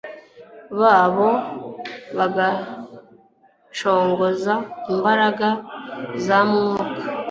babo bagacogoza imbaraga za Mwuka